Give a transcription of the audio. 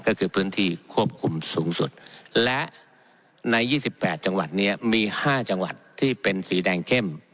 ก็คือพื้นที่ควบคุมสูงสุดและใน๒๘จังหวัดนี้มี๕จังหวัดที่เป็นสีแดงเข้ม